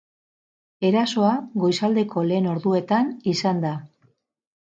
Erasoa goizaldeko lehen orduetan izan da.